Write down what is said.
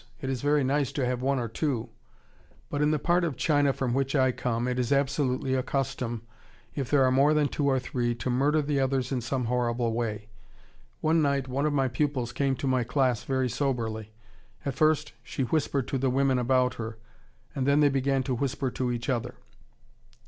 It is very nice to have one or two, but in the part of China from which I come it is absolutely a custom, if there are more than two or three, to murder the others in some horrible way. One night one of my pupils came to my class very soberly. At first she whispered to the women about her and then they began to whisper to each other.